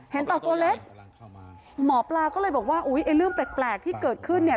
เต่าตัวเล็กหมอปลาก็เลยบอกว่าอุ้ยไอ้เรื่องแปลกที่เกิดขึ้นเนี่ย